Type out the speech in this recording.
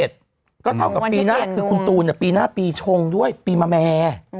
ก็เท่ากับปีหน้าคือคุณตูนปีหน้าปีชงด้วยปีมะแม่